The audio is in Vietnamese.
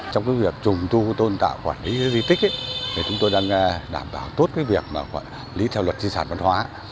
trong việc trùng thu tôn tạo quản lý di tích chúng tôi đang đảm bảo tốt việc quản lý theo luật di sản văn hóa